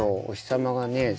おひさまがね